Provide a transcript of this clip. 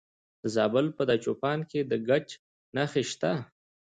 د زابل په دایچوپان کې د ګچ نښې شته.